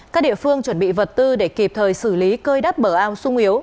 các địa phương chuẩn bị vật tư để kịp thời xử lý cơi đắp bở ao sung yếu